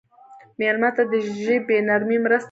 مېلمه ته د ژبې نرمي مرسته کوي.